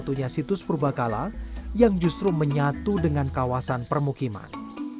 satunya situs perbakalan yang justru menyatu dengan kawasan permukiman